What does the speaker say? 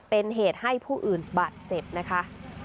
เป็นเหตุให้ผู้อื่นบาดเจ็บนะคะ